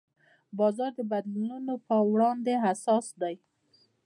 بازار د بدلونونو په وړاندې حساس دی.